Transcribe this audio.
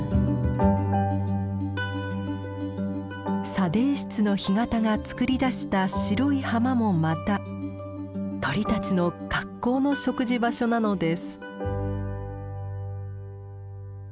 砂泥質の干潟がつくり出した白い浜もまた鳥たちの格好の食事場所なのです。